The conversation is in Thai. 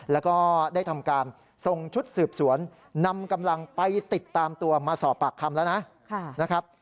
แล้วก็ได้ทำการส่งชุดสืบสวนนำกำลังไปติดตามตัวมาสอบปากคำแล้วนะครับ